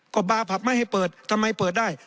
ก็บาร์ผับไม่ให้เปิดทำไมเปิดได้